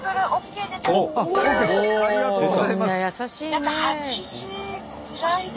ありがとうございます。